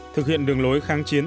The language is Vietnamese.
thực hiện đường lối kháng chiến